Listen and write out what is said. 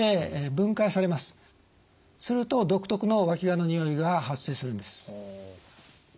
すると独特のわきがのにおいが発生するんです。